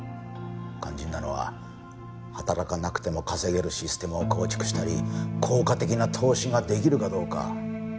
肝心なのは働かなくても稼げるシステムを構築したり効果的な投資ができるかどうか。